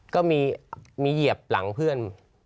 ก็มีเหยียบหลังเพื่อน